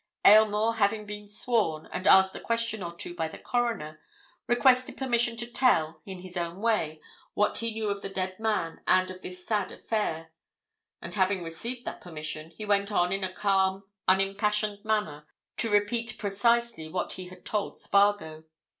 Aylmore, having been sworn, and asked a question or two by the Coroner, requested permission to tell, in his own way, what he knew of the dead man and of this sad affair; and having received that permission, he went on in a calm, unimpassioned manner to repeat precisely what he had told Spargo.